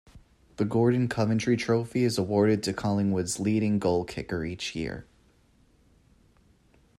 The Gordon Coventry Trophy is awarded to Collingwood's leading goal kicker each year.